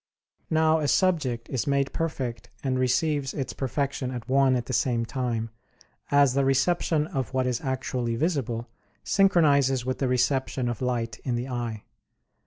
Now a subject is made perfect and receives its perfection at one and the same time, as the reception of what is actually visible synchronizes with the reception of light in the eye.